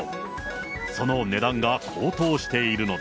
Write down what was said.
その値段が高騰しているのだ。